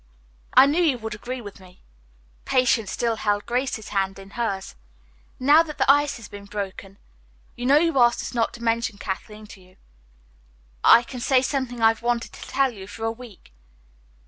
"I knew you would agree with me." Patience still held Grace's hand in hers. "Now that the ice has been broken you know you asked us not to mention Kathleen to you I can say something I've wanted to tell you for a week.